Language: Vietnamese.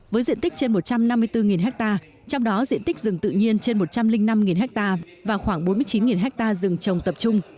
với diện tích trên một trăm năm mươi bốn ha trong đó diện tích rừng tự nhiên trên một trăm linh năm ha và khoảng bốn mươi chín ha rừng trồng tập trung